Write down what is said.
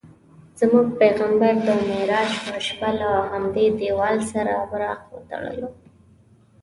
زموږ پیغمبر د معراج په شپه له همدې دیوال سره براق وتړلو.